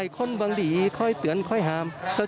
และก็มีการกินยาละลายริ่มเลือดแล้วก็ยาละลายขายมันมาเลยตลอดครับ